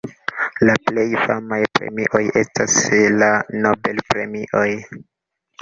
La plej famaj premioj estas la Nobel-premioj.